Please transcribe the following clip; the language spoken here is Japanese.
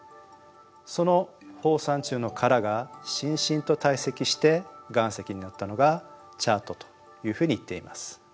その放散虫の殻がしんしんと堆積して岩石になったのがチャートというふうにいっています。